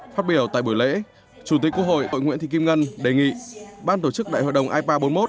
phát biểu tại buổi lễ chủ tịch quốc hội nguyễn thị kim ngân đề nghị ban tổ chức đại hội đồng ipa bốn mươi một